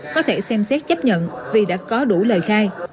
có thể xem xét chấp nhận vì đã có đủ lời khai